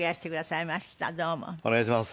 お願いします。